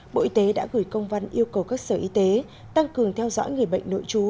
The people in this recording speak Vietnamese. bộ y tế đã gửi công văn yêu cầu các sở y tế tăng cường theo dõi người bệnh nội trú